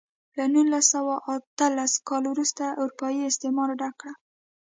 له نولس سوه اتلس کال وروسته اروپايي استعمار ډک کړ.